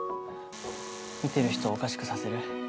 見てる人をおかしくさせる？